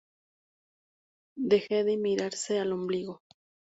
Deje de mirarse al ombligo